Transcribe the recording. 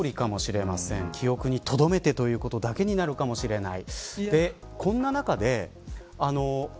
記憶にとどめてということだけになるかもしれない。